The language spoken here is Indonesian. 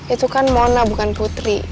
itu kan mona bukan putri